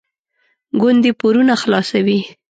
ګوندې پورونه خلاصوي.